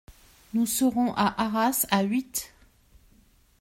Nous serons à Arras à huit.